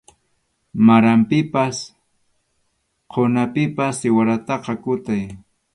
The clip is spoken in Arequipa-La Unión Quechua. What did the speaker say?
Maranpipas qhunapipas siwarata kutay.